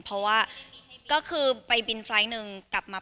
เพราะว่าก็คือไปบินไฟล์ทหนึ่งกลับมา